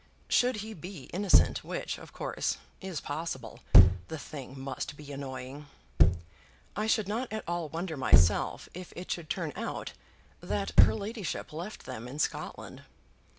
Should he be innocent, which, of course, is possible, the thing must be annoying. I should not at all wonder myself, if it should turn out that her ladyship left them in Scotland.